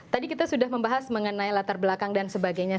tadi kita sudah membahas mengenai latar belakang dan sebagainya